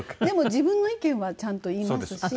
でも自分の意見はちゃんと言いますし。